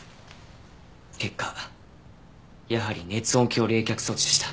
結果やはり熱音響冷却装置でした。